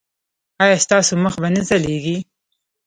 ایا ستاسو مخ به نه ځلیږي؟